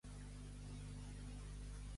Els d'Aldaia són gavatxos.